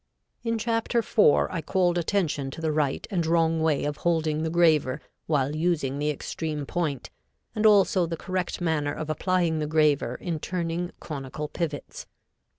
In chapter IV I called attention to the right and wrong way of holding the graver while using the extreme point, and also the correct manner of applying the graver in turning conical pivots.